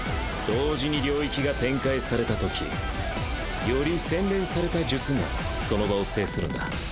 同時に領域が展開されたときより洗練された術がその場を制するんだ。